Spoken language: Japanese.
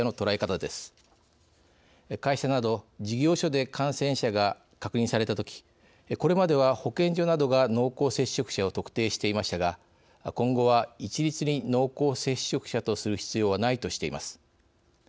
会社など事業所で感染者が確認されたときこれまでは、保健所などが濃厚接触者を特定していましたが今後は、一律に濃厚接触者とする必要はないとしています。